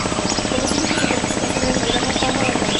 Conocido por su participación en el programa "Fama, ¡a bailar!